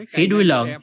khỉ đuôi lợn